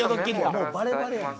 もうバレバレやん。